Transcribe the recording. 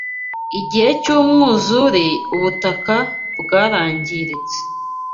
Igihe cy’umwuzure, ubutaka bwarangiritse